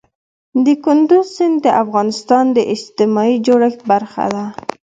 کندز سیند د افغانستان د اجتماعي جوړښت برخه ده.